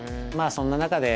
そんな中で。